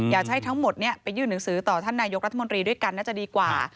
อยากจะให้ทั้งหมดไปยื่นหนังสือต่อท่านนายกรัฐมนตรีด้วยกันน่าจะดีกว่า